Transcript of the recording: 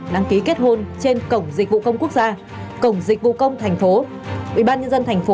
đăng ký kết hôn